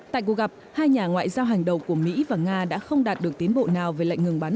tại cuộc gặp hai nhà ngoại giao hàng đầu của mỹ và nga đã không đạt được tiến bộ nào về lệnh ngừng bắn